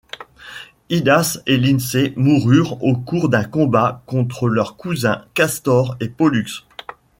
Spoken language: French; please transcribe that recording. Idas et Lyncée moururent au cours d'un combat contre leurs cousins Castor et Pollux.